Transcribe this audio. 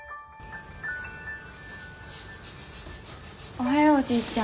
・おはようおじいちゃん。